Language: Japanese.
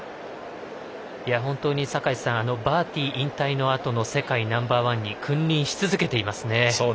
本当に坂井さんバーティ引退のあとの世界ナンバー１人に君臨し続けていますね。